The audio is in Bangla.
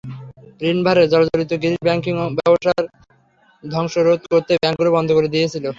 ঋণভারে জর্জরিত গ্রিস ব্যাংকিং ব্যবস্থায় ধ্বংস রোধ করতেই ব্যাংকগুলো বন্ধ করে দিয়েছিল।